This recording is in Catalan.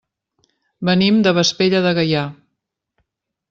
Venim de Vespella de Gaià.